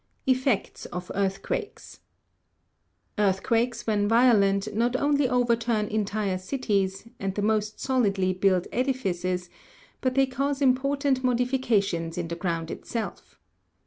4. Effects of Earthquakes. Earthquakes, when violent, not only overturn entire cities, and the most solidly built edifices, but they cause important modifications" in the ground itself.